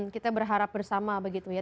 kita berharap bersama begitu ya